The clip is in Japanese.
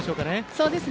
そうですね。